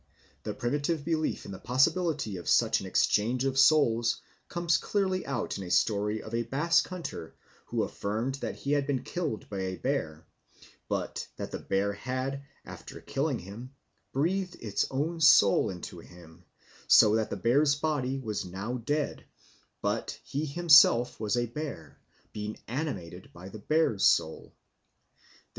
The primitive belief in the possibility of such an exchange of souls comes clearly out in a story of a Basque hunter who affirmed that he had been killed by a bear, but that the bear had, after killing him, breathed its own soul into him, so that the bear's body was now dead, but he himself was a bear, being animated by the bear's soul.